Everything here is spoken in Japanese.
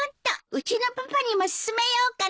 うちのパパにも勧めようかな。